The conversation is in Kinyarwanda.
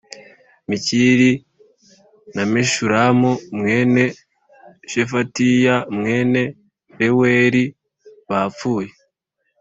Mikiri na Meshulamu mwene Shefatiya mwene Reweli bapfuye